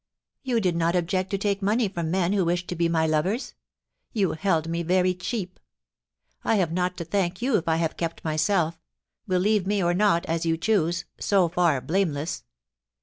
You did not object to take money fh>m men who wished to be my lovers. You held me very cheapi I have not to thank you if I have kept myself — believe me or not, as you choose — so far blameless.